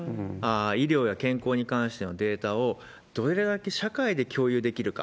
医療や健康に関してのデータをどれだけ社会で共有できるか。